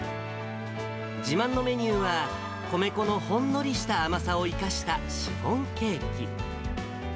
自慢のメニューは、米粉のほんのりした甘さを生かしたシフォンケーキ。